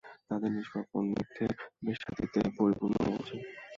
তাদের নিষ্পাপ মন মিথ্যের বেসাতীতে পরিপূর্ণ হয়ে আছে!